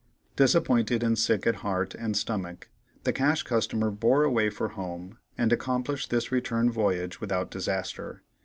Disappointed, and sick at heart and stomach, the Cash Customer bore away for home, and accomplished the return voyage without disaster.